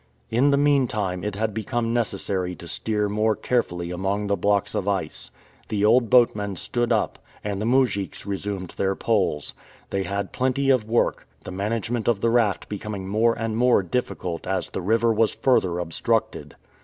In the meantime it had become necessary to steer more carefully among the blocks of ice. The old boatman stood up, and the moujiks resumed their poles. They had plenty of work, the management of the raft becoming more and more difficult as the river was further obstructed.